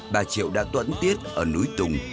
bà triệu đã tuẫn tiết ở núi tùng